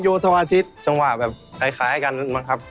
โชว์จากปริศนามหาสนุกหมายเลขหนึ่ง